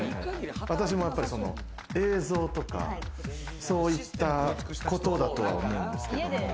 私も映像とか、そういったことだとは思うんですけど。